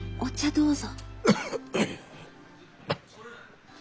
どうぞ。